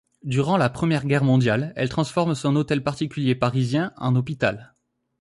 Durant la Première Guerre mondiale, elle transforme son hôtel particulier parisien en hôpital.